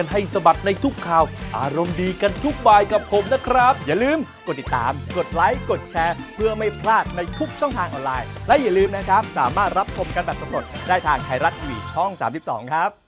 รับคุมกันแบบสุดได้ทางไทยรัฐอีวิตช่อง๓๒ครับ